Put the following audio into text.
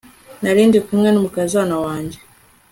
narindi kumwe numukazana wanjye